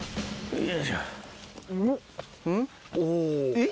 えっ？